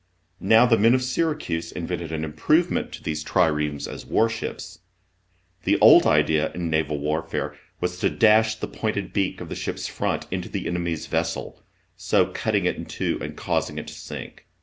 Now the men of Syracuse invented an improvement to these triremes as warships. The old idea in naval warfare was to dash the pointed beak of the ship's front into the enemy's vessel, so cutting it in two and causing it to sink.